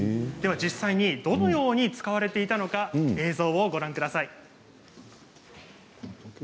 実際にどのように使われていたのか映像をご覧ください。